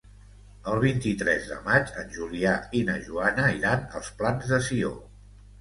El vint-i-tres de maig en Julià i na Joana iran als Plans de Sió.